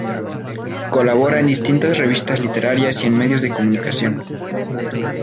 Colabora en distintas revistas literarias y en medios de comunicación.